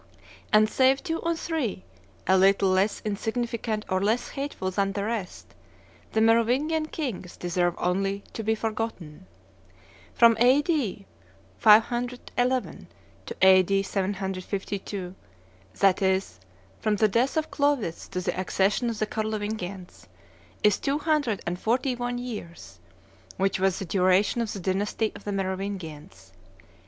And save two or three, a little less insignificant or less hateful than the rest, the Merovingian kings deserve only to be forgotten. From A.D. 511 to A.D. 752, that is, from the death of Clovis to the accession of the Carlovingians, is two hundred and forty one years, which was the duration of the dynasty of the Merovingians.